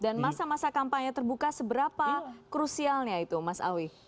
dan masa masa kampanye terbuka seberapa krusialnya itu mas awi